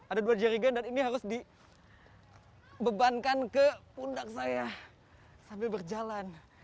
ada dua jerigen dan ini harus dibebankan ke pundak saya sambil berjalan